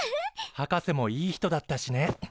博士もいい人だったしね。